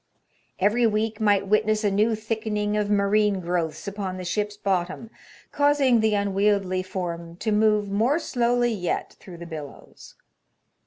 Every week might witness a new thickening of marine growths upon the ship's bottom, causing the unwieldly form to move more slowly yet through the billows.